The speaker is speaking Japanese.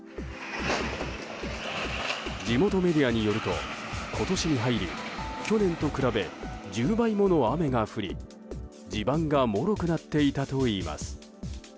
地元メディアによると今年に入り、去年と比べ１０倍もの雨が降り、地盤がもろくなっていたといいます。